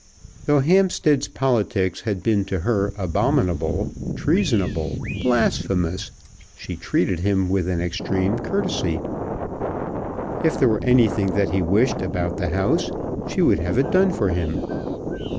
Though Hampstead's politics had been to her abominable, treasonable, blasphemous, she treated him with an extreme courtesy. If there were anything that he wished about the house she would have it done for him.